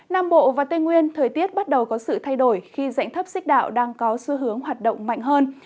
nam bộ và tây nguyên thời tiết bắt đầu có sự thay đổi khi dãy thấp xích đạo đang có xu hướng hoạt động mạnh hơn